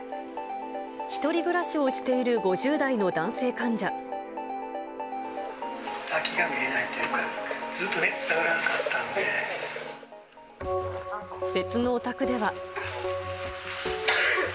１人暮らしをしている５０代先が見えないというか、別のお宅では。